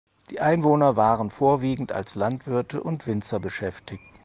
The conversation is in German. Die Einwohner waren vorwiegend als Landwirte und Winzer beschäftigt.